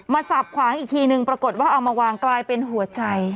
สับขวางอีกทีนึงปรากฏว่าเอามาวางกลายเป็นหัวใจ